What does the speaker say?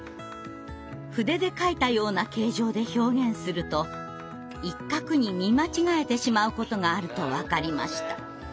筆で書いたような形状で表現すると一画に見間違えてしまうことがあると分かりました。